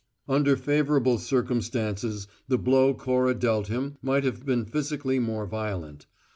Under favourable circumstances the blow Cora dealt him might have been physically more violent.